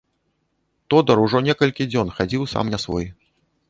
Тодар ужо некалькі дзён хадзіў сам не свой.